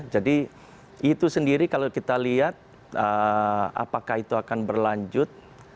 jadi itu sendiri kalau kita lihat apakah itu akan berlanjut